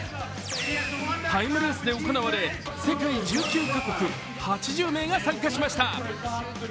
タイムレースで行われ世界１９か国８０名が参加しました。